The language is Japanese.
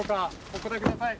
お答えください。